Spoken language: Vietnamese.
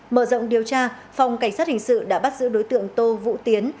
mở rộng điều tra phòng cảnh sát hình sự đã bắt giữ đối tượng tô vũ tiến